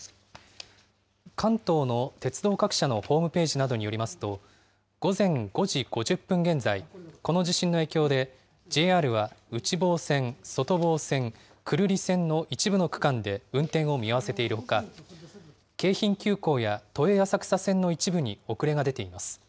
関東の鉄道各社のホームページなどによりますと、午前５時５０分現在、この地震の影響で、ＪＲは内房線、外房線、久留里線の一部の区間で運転を見合わせているほか、京浜急行や都営浅草線の一部に遅れが出ています。